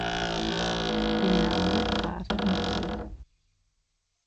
Пеналыр партым телъ.